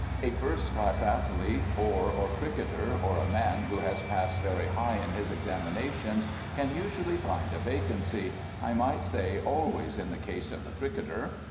A first class athlete, oar, or cricketer, or a man who has passed very high in his examinations, can usually find a vacancy—I might say always in the case of the cricketer.